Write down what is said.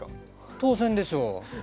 当然でしょう。